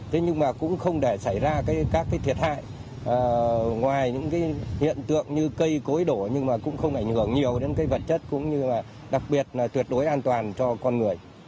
thế nhưng mà cũng không để xảy ra các cái thiệt hại ngoài những hiện tượng như cây cối đổ nhưng mà cũng không ảnh hưởng nhiều đến cái vật chất cũng như là đặc biệt là tuyệt đối an toàn cho con người